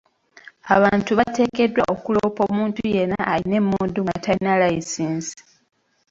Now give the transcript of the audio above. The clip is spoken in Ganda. Abantu bateekeddwa okuloopa omuntu yenna ayina emmundu nga tayina layisinsi .